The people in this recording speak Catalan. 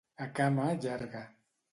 A cama llarga.